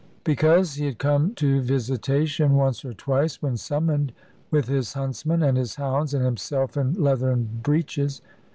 Because he had come to visitation, once or twice when summoned, with his huntsman and his hounds, and himself in leathern breeches.